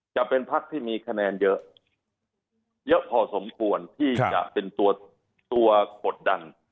จะเป็นพักที่มีคะแนนเยอะเยอะพอสมควรที่จะเป็นตัวกดดัน